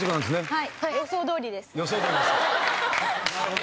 はい。予想どおりですか。